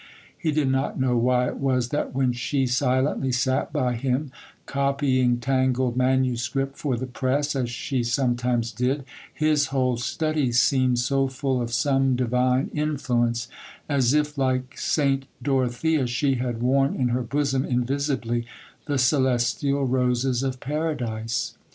He did not know why it was, that, when she silently sat by him, copying tangled manuscript for the press, as she sometimes did, his whole study seemed so full of some divine influence, as if, like St. Dorothea, she had worn in her bosom, invisibly, the celestial roses of Paradise.